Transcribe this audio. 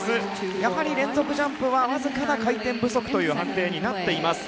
やはり連続ジャンプはわずかな回転不足の判定になっています。